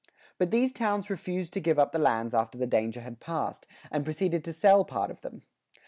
But these towns refused to give up the lands after the danger had passed, and proceeded to sell part of them.